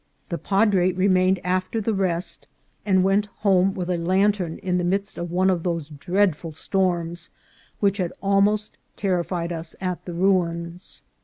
The padre remained after the rest, and went home with a lantern in the midst of one of those dreadful storms which had almost terrified us at the ruins.